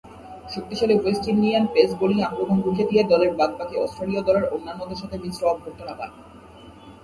শক্তিশালী West Indian pace bowling আক্রমণ রুখে দিয়ে দলের বাদ-বাকী অস্ট্রেলীয় দলের অন্যান্যদের সাথে মিশ্র অভ্যর্থনা পান।